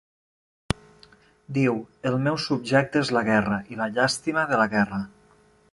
Diu: el meu subjecte és la guerra, i la llàstima de la guerra.